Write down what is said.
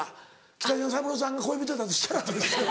北島三郎さんが恋人だとしたらですよ。